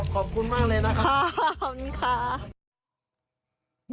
ขอบคุณมากเลยนะคะขอบคุณค่ะ